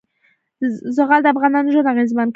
زغال د افغانانو ژوند اغېزمن کوي.